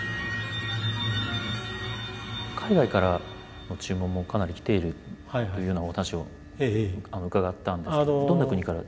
海外からの注文もかなり来ているっていうようなお話を伺ったんですけどもどんな国から注文？